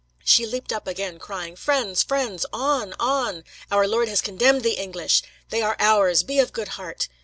She leaped up again, crying, 'Friends, friends; on, on! Our Lord has condemned the English. They are ours; be of good heart.'